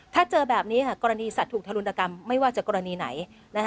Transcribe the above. ถ้าเจอแบบนี้กรณีสัตว์ถูกทะลุนกรรมไม่ว่าจะกรณีไหน